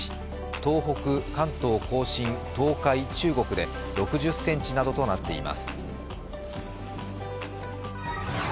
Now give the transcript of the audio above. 東北、関東甲信、東海、中国で６０ｃｍなどとなっています。